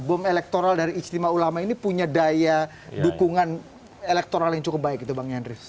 bom elektoral dari istimewa ulama ini punya daya dukungan elektoral yang cukup baik gitu bang yandri